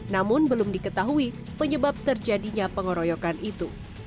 namun belum diketahui penyebab terjadinya pengeroyokan itu